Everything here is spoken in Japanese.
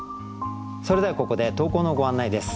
それではここで投稿のご案内です。